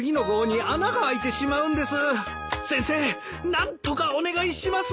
何とかお願いします！